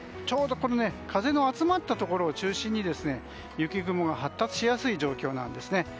ちょうど風の集まったところを中心に雪雲が発達しやすい状況なんですね。